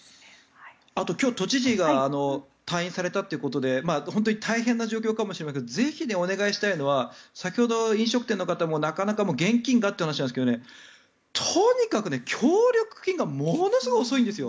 あと今日都知事が退院されたということで本当に大変な状況かもしれませんがぜひ、お願いしたいのは先ほど、飲食店の方もなかなか現金がという話なんですがとにかく協力金がものすごい遅いんですよ。